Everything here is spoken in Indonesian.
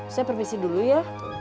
saya permisi dulu ya